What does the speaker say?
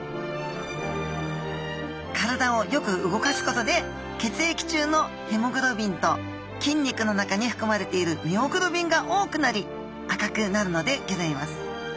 体をよく動かすことで血液中のヘモグロビンと筋肉の中にふくまれているミオグロビンが多くなり赤くなるのでギョざいます。